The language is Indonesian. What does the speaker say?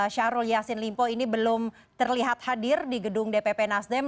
syahrul yassin limpo ini belum terlihat hadir di gedung dpp nasdem